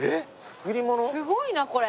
すごいなこれ！